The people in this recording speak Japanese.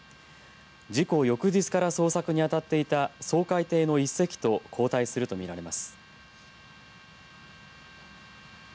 事故翌日から捜索に当たっていた掃海艇の１隻と交代すると見られます。